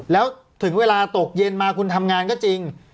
แล้วถึงเวลาตกเย็นมาคุณทำงานก็จริง